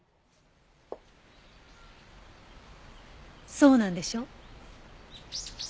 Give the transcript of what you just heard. そうなんでしょう？